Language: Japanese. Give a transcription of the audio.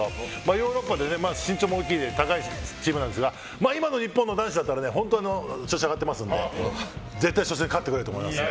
ヨーロッパで身長も高いチームなんですが今の日本の男子だったら調子上がってますので絶対初戦勝ってくれると思います。